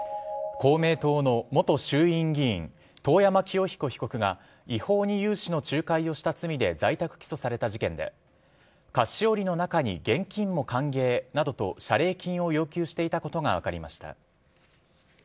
公明党の元衆院議員、遠山清彦被告が、違法に融資の仲介をした罪で在宅起訴された事件で、菓子折の中に現金も歓迎などと謝礼金を要求していたことが分かりました。